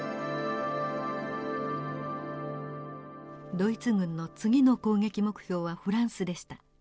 ドイツ軍の次の攻撃目標はフランスでした。